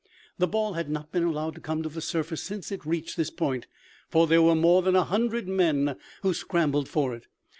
The ball had not been allowed to come to the surface since it reached this point, for there were more than a hundred men who scrambled for it.